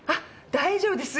大丈夫です。